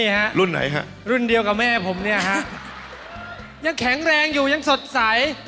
ฮะรุ่นไหนฮะรุ่นเดียวกับแม่ผมเนี่ยฮะยังแข็งแรงอยู่ยังสดใส